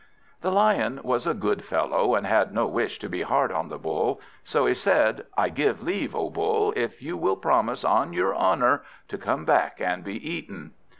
The Lion was a good fellow, and had no wish to be hard on the Bull, so he said: "I give leave, O Bull, if you will promise on your honour to come back and be eaten."